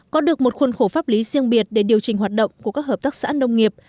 có được một khuôn khổ pháp lý riêng biệt để điều chỉnh hoạt động của các hợp tác xã nông nghiệp